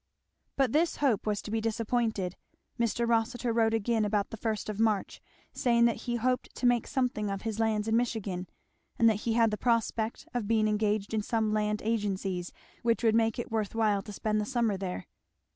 But this hope was to be disappointed. Mr. Rossitur wrote again about the first of March, saying that he hoped to make something of his lands in Michigan, and that he had the prospect of being engaged in some land agencies which would make it worth his while to spend the summer there.